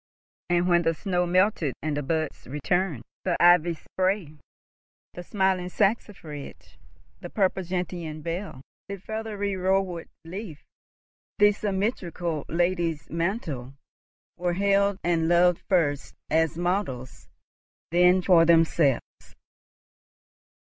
And, when the snow melted and the buds returned, the ivy spray, the smiling saxifrage, the purple gentian bell, the feathery rowan leaf, the symmetrical lady's mantle, were hailed and loved first as models, then for themselves.